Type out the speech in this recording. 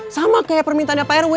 sama kayak permintaan dapah rw